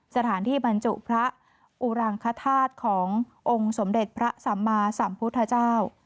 สถานที่บรรจุพระอุรังคธาตุขององค์สมเด็จพระสัมมาสัมพุทธเจ้า